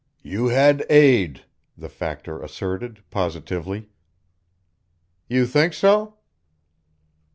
"You had aid," the Factor asserted, positively. "You think so?"